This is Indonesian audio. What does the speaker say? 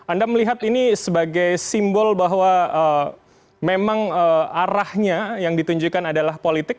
anda melihat ini sebagai simbol bahwa memang arahnya yang ditunjukkan adalah politik